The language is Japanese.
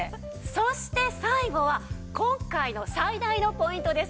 そして最後は今回の最大のポイントです。